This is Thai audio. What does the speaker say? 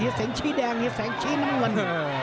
เห็ดเสียงชี้แดงเห็ดเสียงชี้น้ำเงิน